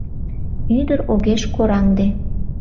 Ӱдыр огеш кораҥде.